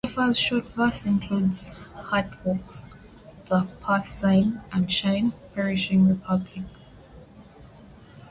Jeffers' short verse includes "Hurt Hawks," "The Purse-Seine" and "Shine, Perishing Republic.